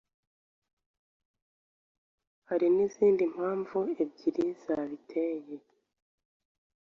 Hari n'izindi mpamvu ebyiri zabiteye